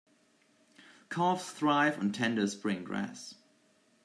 Calves thrive on tender spring grass.